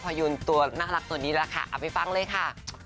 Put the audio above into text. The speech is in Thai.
พยูนตัวน่ารักตัวนี้แหละค่ะเอาไปฟังเลยค่ะ